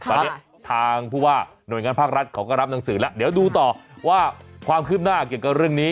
ตอนนี้ทางผู้ว่าหน่วยงานภาครัฐเขาก็รับหนังสือแล้วเดี๋ยวดูต่อว่าความคืบหน้าเกี่ยวกับเรื่องนี้